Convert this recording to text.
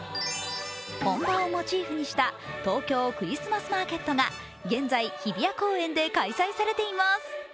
本場をモチーフにした東京クリスマスマーケットが現在、日比谷公園で開催されています。